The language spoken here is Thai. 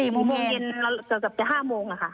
๔โมงเย็นแล้วเกือบจะ๕โมงล่ะค่ะ